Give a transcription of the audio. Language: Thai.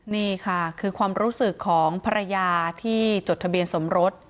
นี่ค่ะคือความรู้สึกของภรรยาที่จดทะเบียนสมรส